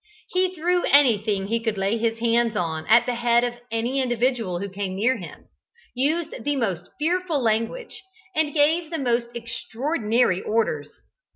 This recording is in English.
He threw anything he could lay hands on at the head of any individual who came near him, used the most fearful language, and gave the most extraordinary orders.